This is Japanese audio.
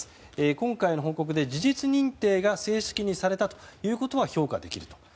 今回の報告で事実認定が正式にされたということは評価できると。